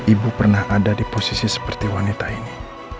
ibu pernah ada di posisi seperti wanita ini